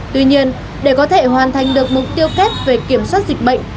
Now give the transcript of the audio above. tuy nhiên để có thể hoàn thành được mục tiêu kép về kiểm soát dịch bệnh